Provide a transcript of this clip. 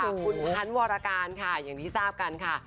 คุณพันธ์วรการค่ะอย่างที่ทราบกันค่ะ